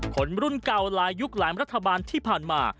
คนรุ่นเก่าหลายยุคหลายรัฐบาลที่ผ่านมา